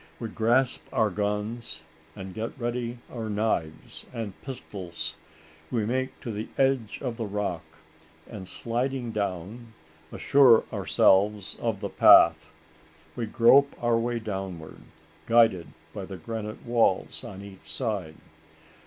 We grasp our guns, and get ready our knives and pistols. We make to the edge of the rock, and, sliding down, assure ourselves of the path. We grope our way downward, guided by the granite walls on each side.